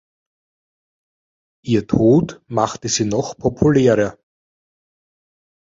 Ihr Tod machte sie noch populärer.